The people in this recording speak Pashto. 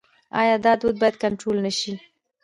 آیا دا دود باید کنټرول نشي؟